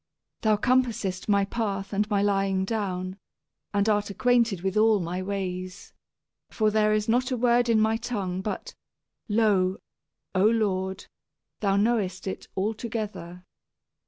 Thou searchest out my path and my lying down, and art ac quainted with all my ways. For there is not a word in my tongue, but, lo, O Lord, thou knowest it altogether.